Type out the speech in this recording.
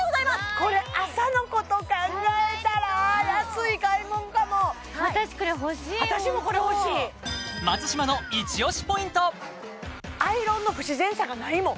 これ朝のこと考えたら安い買いもんかも私これ欲しいホント私もこれ欲しいアイロンの不自然さがないもん